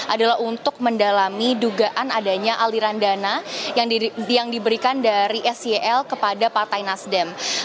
adalah untuk mendalami dugaan adanya aliran dana yang diberikan dari sel kepada partai nasdem